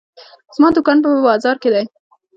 زما دوکان په بازار کې ده.